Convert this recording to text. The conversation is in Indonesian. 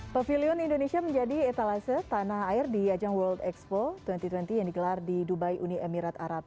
pavilion indonesia menjadi etalase tanah air di ajang world expo dua ribu dua puluh yang digelar di dubai uni emirat arab